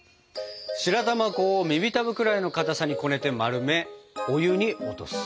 白玉粉を耳たぶぐらいのかたさにこねて丸めお湯に落とす。